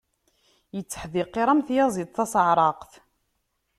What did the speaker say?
Itteḥdiqiṛ am tyaziḍt tasaɛṛaqt.